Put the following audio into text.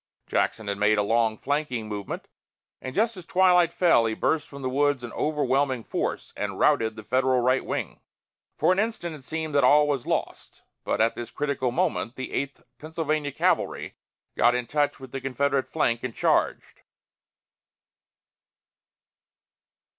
Jackson had made a long flanking movement, and just as twilight fell, he burst from the woods in overwhelming force and routed the Federal right wing. For an instant it seemed that all was lost, but at this critical moment the Eighth Pennsylvania cavalry got in touch with the Confederate flank and charged.